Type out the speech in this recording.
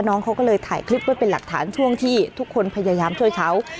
น้องเขาก็เลยถ่ายคลิปไว้เป็นหลักฐานช่วงที่ทุกคนพยายามช่วยเขา